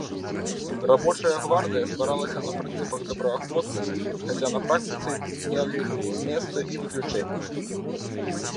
Рабочая гвардыя стваралася на прынцыпах добраахвотнасці, хаця на практыцы мелі месца і выключэнні.